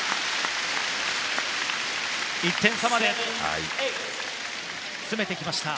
１点差まで詰めてきました。